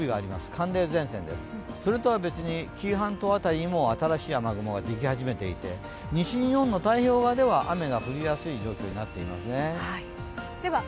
寒冷前線です、それとは別に紀伊半島あたりにも新しい雨雲ができはじめていて、西日本の太平洋側では雨ができやすい状況になっていますね。